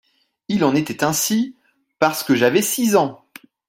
Il en était ainsi parce que j'avais six ans.